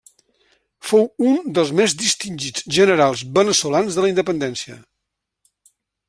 Fou un dels més distingits generals veneçolans de la independència.